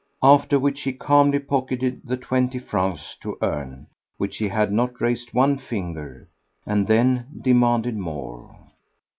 After which he calmly pocketed the twenty francs to earn which he had not raised one finger, and then demanded more.